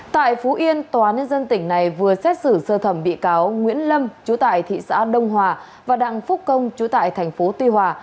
tại phú yên tòa án nhân dân tỉnh này vừa xét xử sơ thẩm bị cáo nguyễn lâm chủ tại thị xã đông hòa và đặng phúc công chủ tại tp tuy hòa